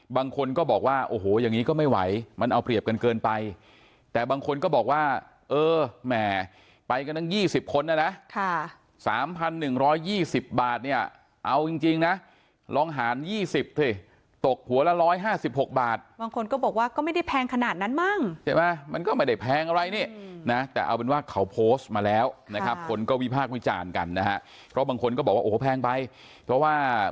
บางคนก็บอกว่าโอ้โหอย่างนี้ก็ไม่ไหวมันเอาเปรียบกันเกินไปแต่บางคนก็บอกว่าเออแหมไปกันตั้ง๒๐คนนะนะ๓๑๒๐บาทเนี่ยเอาจริงนะลองหาร๒๐สิตกหัวละ๑๕๖บาทบางคนก็บอกว่าก็ไม่ได้แพงขนาดนั้นมั้งใช่ไหมมันก็ไม่ได้แพงอะไรนี่นะแต่เอาเป็นว่าเขาโพสต์มาแล้วนะครับคนก็วิพากษ์วิจารณ์กันนะฮะเพราะบางคนก็บอกว่าโอ้โหแพงไปเพราะว่า